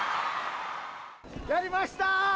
やりました！